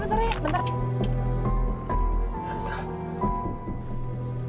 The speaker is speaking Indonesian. bentar bentar ya bentar